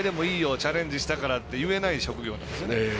チャレンジしたからといえない職業なんですよね。